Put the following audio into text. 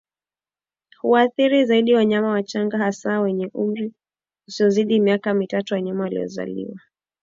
Huathiri zaidi wanyama wachanga hasa wenye umri usiozidi miaka mitatu wanyama waliozaliwa